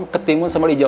ketimbun sambal hijau